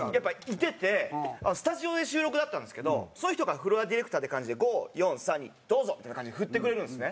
スタジオで収録だったんですけどその人がフロアディレクターって感じで「５４３２どうぞ」みたいな感じで振ってくれるんですね。